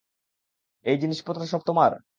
এই জিনিসপত্র সব তোমার?